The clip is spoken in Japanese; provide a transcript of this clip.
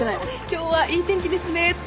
今日はいい天気ですねって？